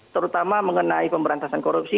terutama mengenai pemberantasan korupsi